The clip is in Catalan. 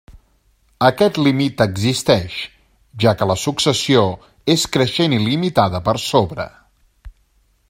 Aquest límit existeix, ja que la successió és creixent i limitada per sobre.